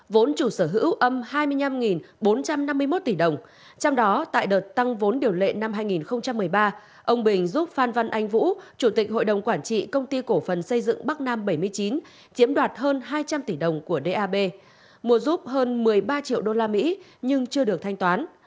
vốn chủ sở hữu âm hai mươi năm bốn trăm năm mươi một tỷ đồng trong đó tại đợt tăng vốn điều lệ năm hai nghìn một mươi ba ông bình giúp phan văn anh vũ chủ tịch hội đồng quản trị công ty cổ phần xây dựng bắc nam bảy mươi chín chiếm đoạt hơn hai trăm linh tỷ đồng của dap mua giúp hơn một mươi ba triệu usd nhưng chưa được thanh toán